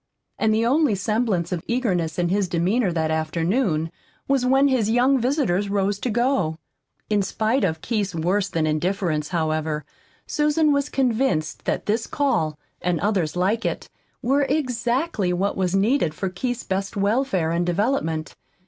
And the only semblance of eagerness in his demeanor that afternoon was when his young visitors rose to go. In spite of Keith's worse than indifference, however, Susan was convinced that this call, and others like it, were exactly what was needed for Keith's best welfare and development.